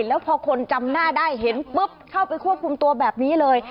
แล้วพอคนจำหน้าได้เห็นปุ๊บเข้าไปควบคุมตัวแบบนี้เลย